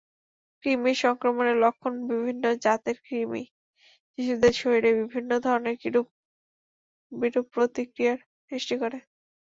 কৃমির সংক্রমণের লক্ষণবিভিন্ন জাতের কৃমি শিশুদের শরীরে বিভিন্ন ধরনের বিরূপ প্রতিক্রিয়ার সৃষ্টি করে।